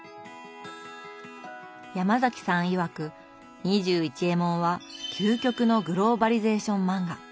ヤマザキさんいわく「２１エモン」は究極のグローバリゼーション漫画。